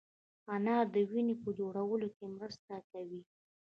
انار د وینې په جوړولو کې مرسته کوي.